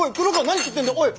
何食ってんだおい！